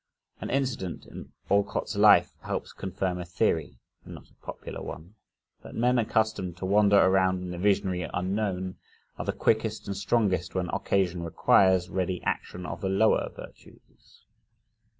An incident in Alcott's life helps confirm a theory not a popular one that men accustomed to wander around in the visionary unknown are the quickest and strongest when occasion requires ready action of the lower virtues.